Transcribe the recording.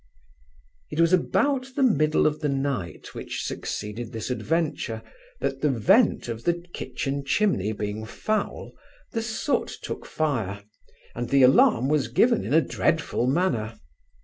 It was about the middle of the night, which succeeded this adventure, that the vent of the kitchen chimney being foul, the soot took fire, and the alarm was given in a dreadful manner.